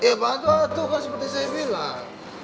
ya bantuan tuh kan seperti saya bilang